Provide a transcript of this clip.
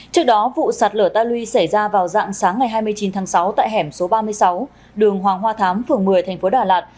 trước đó vụ sạt lở ta luy xảy ra vào dạng sáng ngày hai mươi chín tháng sáu tại hẻm số ba mươi sáu đường hoàng hoa thám phường một mươi tp đà lạt